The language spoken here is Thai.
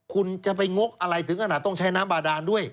คุณจะไปงกอะไรถึงขนาดต้องใช้น้ำบาดานด้วย